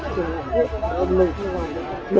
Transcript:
chứ là tại vì người ta phải